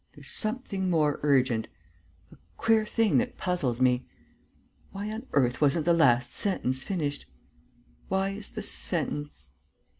There's something more urgent ... a queer thing that puzzles me.... Why on earth wasn't the last sentence finished? Why is the sentence...."